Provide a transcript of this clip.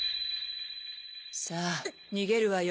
さぁ逃げるわよ